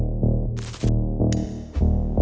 มันยังไง